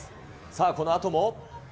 さあ、このあとも。